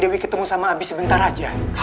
dewi ketemu sama abi sebentar aja